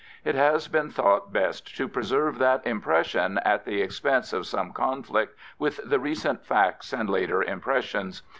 It has been thought best to preserve that impression at the expense of some conflict with the recent facts and later impressions.